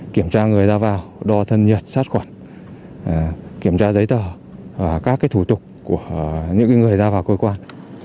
kiểm tra người ra vào đo thân nhiệt sát khuẩn kiểm tra giấy tờ các thủ tục của những người ra vào cơ quan